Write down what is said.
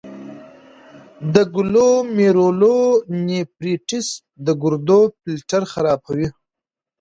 د ګلومیرولونیفریټس د ګردو فلټر خرابوي.